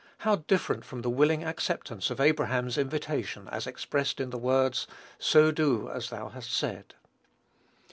How different from the willing acceptance of Abraham's invitation, as expressed in the words, "So do as thou hast said."